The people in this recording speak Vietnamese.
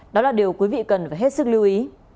đó là điều quý vị cần phải hết sức lưu ý